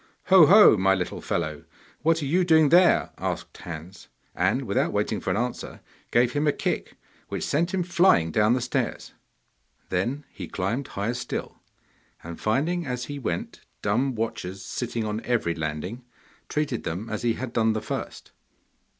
'Ho! ho! my little fellow, what are you doing there?' asked Hans, and, without waiting for an answer, gave him a kick which sent him flying down the stairs. Then he climbed higher still, and finding as he went dumb watchers sitting on every landing, treated them as he had done the first.